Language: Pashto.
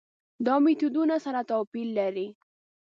دا میتودونه سره توپیر لري.